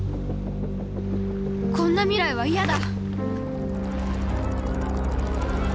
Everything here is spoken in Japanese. こんな未来は嫌だ！